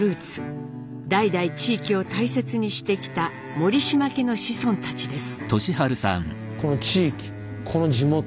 代々地域を大切にしてきた森島家の子孫たちです。